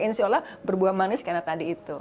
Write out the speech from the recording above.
insya allah berbuah manis karena tadi itu